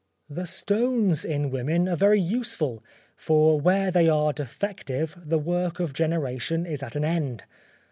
The stones in women are very useful, for where they are defective, the work of generation is at an end.